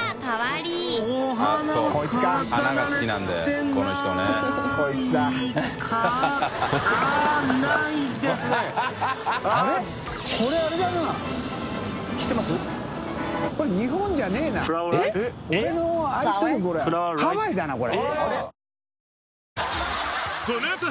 兇琉Δ垢これハワイだなこれ。